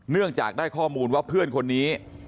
เนื่องจากได้ข้อมูลว่าเพื่อนคนนี้